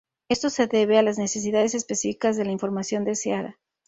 Esto se debe a las necesidades específicas de la información deseada.